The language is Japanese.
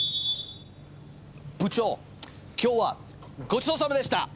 部長今日はごちそうさまでした！